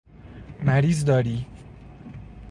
مریض داری